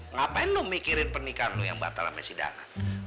ngapain lo mikirin pernikahan lo yang batal mesi dana